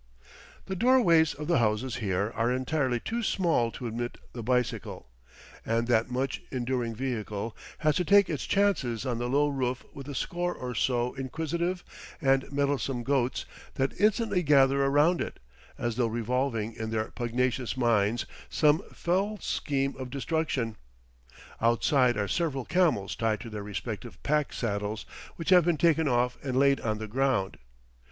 The door ways of the houses here are entirely too small to admit the bicycle, and that much enduring vehicle has to take its chances on the low roof with a score or so inquisitive and meddlesome goats that instantly gather around it, as though revolving in their pugnacious minds some fell scheme of destruction. Outside are several camels tied to their respective pack saddles, which have been taken off and laid on the ground.